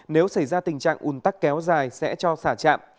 nếu xảy ra tình trạng ủn tắc kéo dài sẽ cho xả trạng